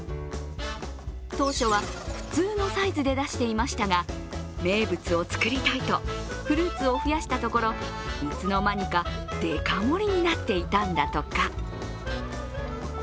当初は普通のサイズで出していましたが、名物を作りたいとフルーツを増やしたところいつの間にかデカ盛りになっていたんだとか。